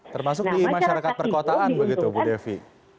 termasuk di masyarakat perkotaan begitu bu devi